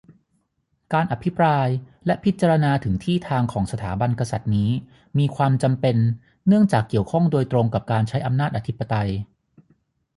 การอภิปรายและพิจารณาถึงที่ทางของสถาบันกษัตริย์นี้มีความจำเป็น เนื่องจากเกี่ยวข้องโดยตรงกับการใช้อำนาจอธิปไตย